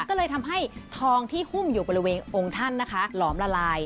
ก็เลยทำให้ทองที่หุ้มอยู่บริเวณองค์ท่านนะคะหลอมละลาย